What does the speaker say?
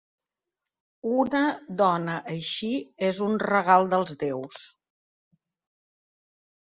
Una dona així és un regal dels déus.